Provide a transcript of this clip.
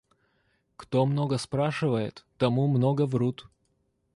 Кто много спрашивает, тому много врут.